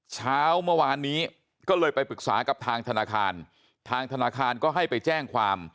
เช้าเมื่อวานนี้ก็เลยไปปรึกษากับทางธนาคารทางธนาคารก็ให้ไปแจ้งความ